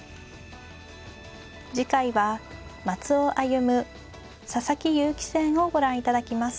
次回は松尾歩佐々木勇気戦をご覧いただきます。